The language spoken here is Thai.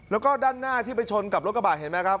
แล้วก็ด้านหน้าที่ไปชนกับรถกระบะเห็นไหมครับ